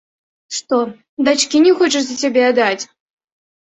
Што дачкі не хоча за цябе аддаць?